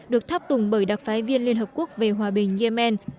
được thắp tùng bởi đặc phái viên liên hợp quốc về hòa bình yemen